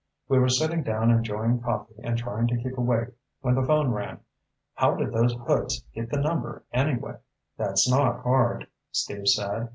We were sitting down enjoying coffee and trying to keep awake when the phone rang. How did those hoods get the number, anyway?" "That's not hard," Steve said.